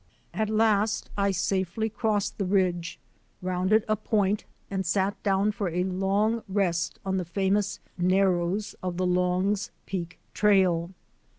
At last I safely crossed the ridge, rounded a point, and sat down for a long rest on the famous Narrows of the Long's Peak trail.